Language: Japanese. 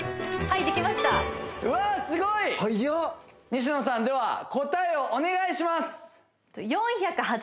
西野さんでは答えをお願いします